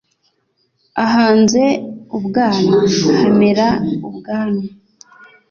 ahanze ubwana hamera ubwanwa